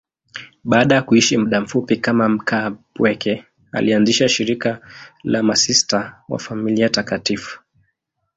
Baada ya kuishi muda mfupi kama mkaapweke, alianzisha shirika la Masista wa Familia Takatifu.